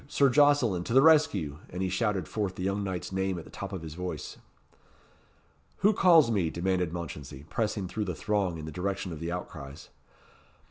Sir Jocelyn! to the rescue!" And he shouted forth the young knight's name at the top of his voice. "Who calls me?" demanded Mounchensey, pressing through the throng in the direction of the outcries.